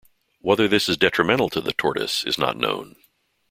Whether this is detrimental to the tortoise is not known.